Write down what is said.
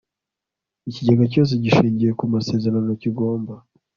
Ikigega cyose gishingiye ku masezerano kigomba